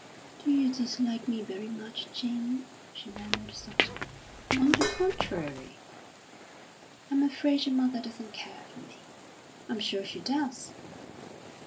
"Do you dislike me very much, Jamie?" she murmured softly. "On the contrary!" "I'm afraid your mother doesn't care for me." "I'm sure she does."